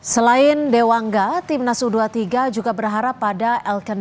selain dewangga timnas u dua puluh tiga juga berharap pada elcon